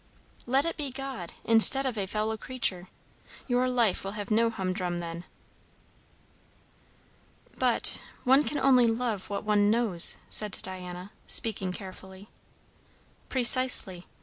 "Let it be God, instead of a fellow creature. Your life will have no humdrum then." "But one can only love what one knows," said Diana, speaking carefully. "Precisely.